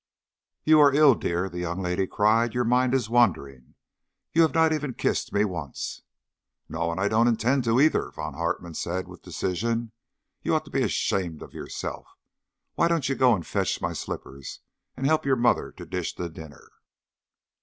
"You are ill, dear," the young lady cried. "Your mind is wandering. You have not even kissed me once." "No, and I don't intend to either," Von Hartmann said with decision. "You ought to be ashamed of yourself. Why don't you go and fetch my slippers, and help your mother to dish the dinner?"